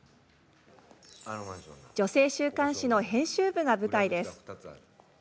女性週刊誌の編集部が舞台です。